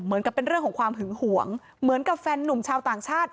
เหมือนกับเป็นเรื่องของความหึงหวงเหมือนกับแฟนนุ่มชาวต่างชาติ